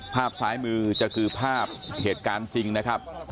ภาพซ้ายมือจะคือภาพเหตุการณ์จริงนะครับ